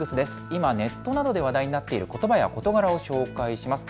今、ネットなどで話題になっていることばや事柄を紹介します。